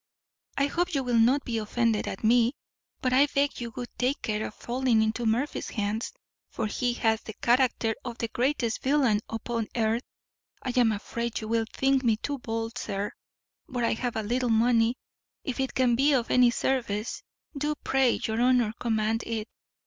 I hope you will not be offended at me, but I beg you would take care of falling into Murphy's hands; for he hath the character of the greatest villain upon earth. I am afraid you will think me too bold, sir; but I have a little money; if it can be of any service, do, pray your honour, command it.